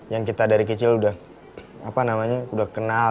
yang kita dari kecil udah kenal